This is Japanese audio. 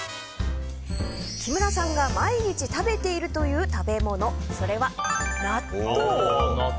木村さんが毎日食べているという食べ物、それは納豆。